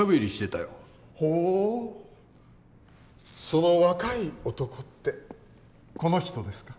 その若い男ってこの人ですか？